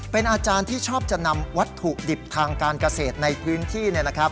เป็นอาจารย์ที่ชอบจะนำวัตถุดิบทางการเกษตรในพื้นที่